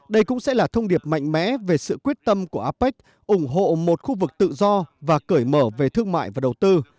đây cũng sẽ là thông điệp mạnh mẽ về sự quyết tâm của apec ủng hộ một khu vực tự do và cởi mở về thương mại và đầu tư